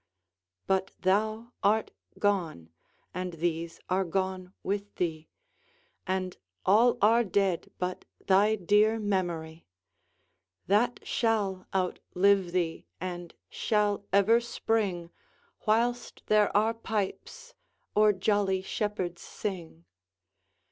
But thou art gone, and these are gone with thee, And all are dead but thy dear memory; That shall outlive thee, and shall ever spring, Whilst there are pipes, or jolly shepherds sing.